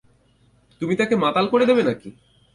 তুমি তাকে মাতাল করে দেবে নাকি?